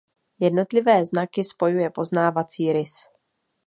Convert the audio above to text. Jednotlivé znaky spojuje poznávací rys.